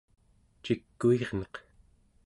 cikuirneq